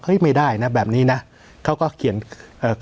ไม่ได้นะแบบนี้นะเขาก็เขียนเอ่อ